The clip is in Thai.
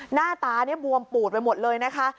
หน้าตาเนี่ยบวมปูดไปหมดเลยนะคะ